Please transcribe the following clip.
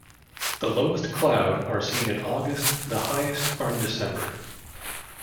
The lowest cloud are seen in August; the highest are in December.